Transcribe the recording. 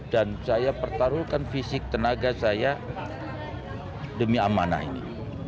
dan saya pertaruhkan fisik tenaga saya demi amanah ini